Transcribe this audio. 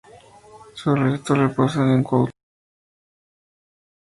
Sus restos reposan en Cuautla.